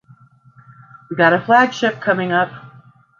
We got a flagship coming up.